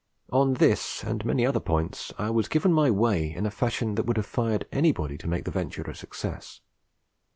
On this and many other points I was given my way in a fashion that would have fired anybody to make the venture a success.